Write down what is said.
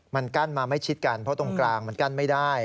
มันกั้นมาไม่ชิดกันเพราะตรงกลางมันกั้นไม่ได้